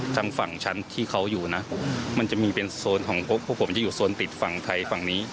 ทางฝั่งชั้นที่เขาอยู่นะมันจะมีเป็นโซนของพวกผมจะอยู่โซนติดฝั่งไทยฝั่งนี้